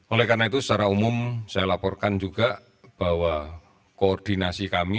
oleh karena itu secara umum saya laporkan juga bahwa koordinasi kami